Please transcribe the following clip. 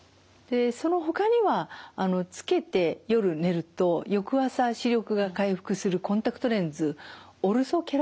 そのほかにはつけて夜寝ると翌朝視力が回復するコンタクトレンズ。